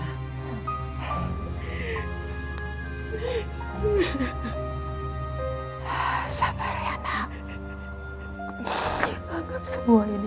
sampai jumpa di video selanjutnya